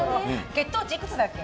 血糖値いくつだっけ？